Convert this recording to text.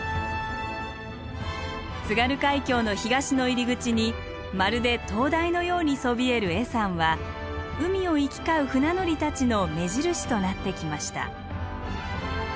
津軽海峡の東の入り口にまるで灯台のようにそびえる恵山は海を行き交う船乗りたちの目印となってきました。